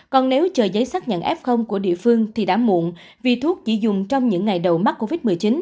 còn nếu chờ giấy xác nhận f của địa phương thì đã muộn vì thuốc chỉ dùng trong những ngày đầu mắc covid một mươi chín